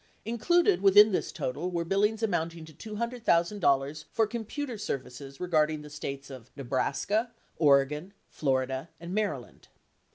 Included within this total were billings amounting to $200,000 for computer services regarding the States of Nebraska, Oregon, Florida, and Maryland.